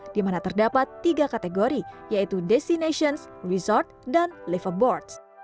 di mana terdapat tiga kategori yaitu destinations resort dan liverboards